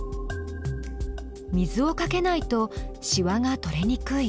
水をかけないとしわが取れにくい。